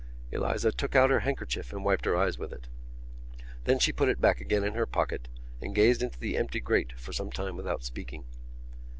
Eliza took out her handkerchief and wiped her eyes with it. Then she put it back again in her pocket and gazed into the empty grate for some time without speaking.